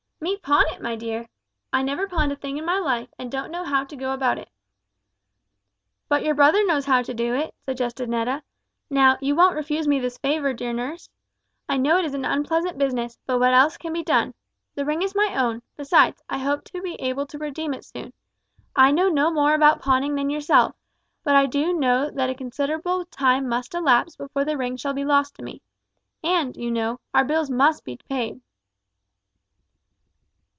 "Me pawn it, my dear! I never pawned a thing in my life, and don't know how to go about it." "But your brother knows how to do it," suggested Netta. "Now, you won't refuse me this favour, dear nurse? I know it is an unpleasant business, but what else can be done? The ring is my own; besides, I hope to be able to redeem it soon. I know no more about pawning than yourself, but I do know that a considerable time must elapse before the ring shall be lost to me. And, you know, our bills must be paid."